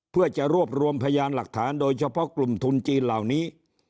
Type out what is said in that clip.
เพื่อจะรวบรวมพยานหลักฐานโดยเฉพาะกลุ่มทุนจีนเหล่านี้